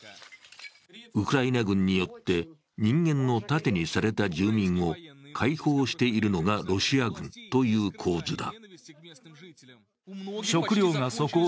ウクライナ軍によって人間の盾にされた住民を解放しているのがロシア軍という構図だ。